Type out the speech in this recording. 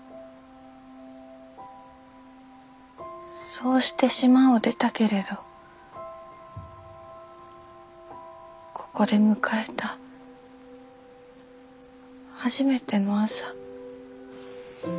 そうして島を出たけれどここで迎えた初めての朝。